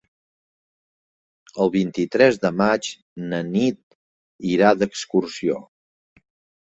El vint-i-tres de maig na Nit irà d'excursió.